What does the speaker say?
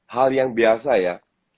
hal yang biasa ya